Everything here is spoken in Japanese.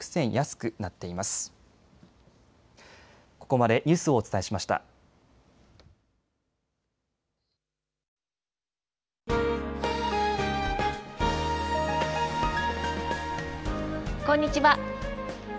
こんにちは。